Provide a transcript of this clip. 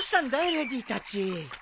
レディたち。